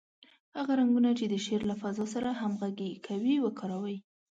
هغه رنګونه چې د شعر له فضا سره همغږي کوي، وکاروئ.